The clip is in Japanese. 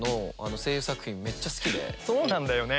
そうなんだよね。